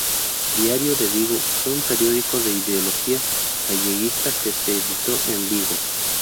Diario de Vigo fue un periódico de ideología galleguista que se editó en Vigo.